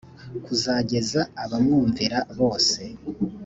kuzageza abamwumvira bose